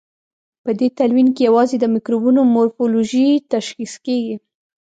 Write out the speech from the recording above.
په دې تلوین کې یوازې د مکروبونو مورفولوژي تشخیص کیږي.